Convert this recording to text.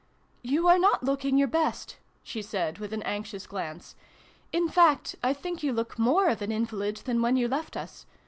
25 " You are not looking your best !" she said with an anxious glance. "In fact, I think you look more of an invalid than when you left us.